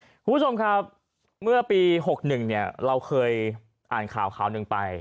คุณผู้ชมครับเมื่อปี๖๑เนี่ยเราเคยอ่านข่าวข่าวหนึ่งไป